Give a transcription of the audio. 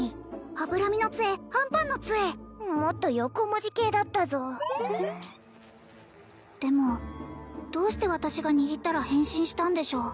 脂身の杖あんぱんの杖もっと横文字系だったぞでもどうして私が握ったら変身したんでしょう？